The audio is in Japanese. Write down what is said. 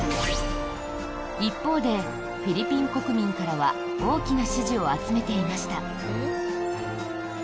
一方で、フィリピン国民からは大きな支持を集めていました。